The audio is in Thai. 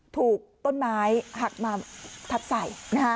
ถูกต้นไม้หักมาทับใส่